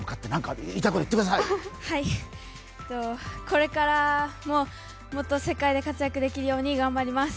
これからももっと世界で活躍できるように頑張ります。